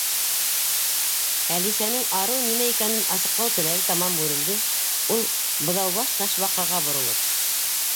Әлисәнең «Арыу» нимә икәнен асыҡлау теләге тамам һүрелде, ул Быҙаубаш Ташбаҡаға боролоп: